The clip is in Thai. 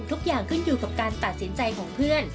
ทุกอย่างขึ้นอยู่กับการตัดสินใจของเพื่อน